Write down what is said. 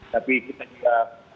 tapi kita tidak